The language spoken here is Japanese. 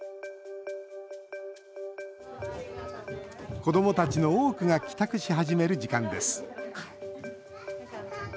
子どもたちの多くが帰宅し始める時間です。